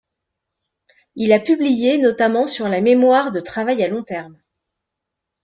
Il a publié notamment sur la mémoire de travail à long terme.